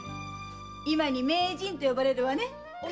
今に「名人」と呼ばれるわね。